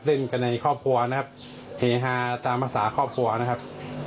เล่นกันในครอบครัวนะครับเฮฮาตามภาษาครอบครัวนะครับ